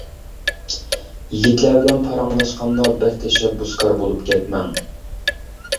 يىگىتلەر بىلەن پاراڭلاشقاندا بەك تەشەببۇسكار بولۇپ كەتمەڭ.